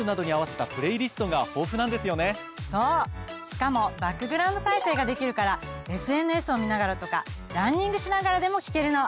しかもバックグラウンド再生ができるからＳＮＳを見ながらとかランニングしながらでも聞けるの。